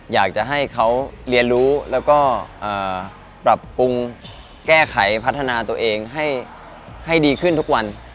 อยากจะให้เขาเรียนรู้แล้วก็ปรับปรุงแก้ไขพัฒนาตัวเองให้ดีขึ้นทุกวัน